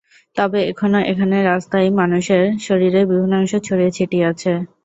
তবে এখনো এখানে রাস্তায় মানুষের শরীরের বিভিন্ন অংশ ছড়িয়ে ছিটিয়ে আছে।